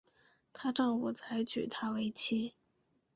她丈夫才娶她为妻